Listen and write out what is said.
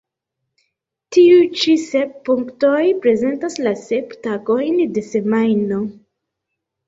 Tiuj ĉi sep punktoj prezentas la sep tagojn de semajno.